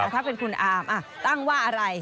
ถ้าเป็นคุณอามตั้งว่าอะไร